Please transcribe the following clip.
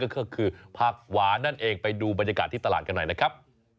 ก็คือผักหวานนั่นเองไปดูบรรยากาศที่ตลาดกันหน่อยนะครับ